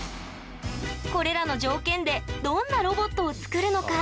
これらの条件でどんなロボットを作るのか？